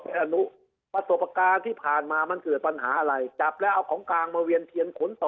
อนุประสบการณ์ที่ผ่านมามันเกิดปัญหาอะไรจับแล้วเอาของกลางมาเวียนเทียนขนต่อ